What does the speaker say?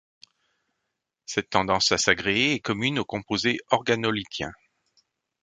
Cette tendance à s'agréger est commune aux composés organolithiens.